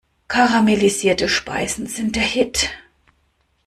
Karamellisierte Speisen sind der Hit!